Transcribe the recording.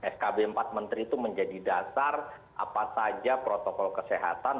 skb empat menteri itu menjadi dasar apa saja protokol kesehatan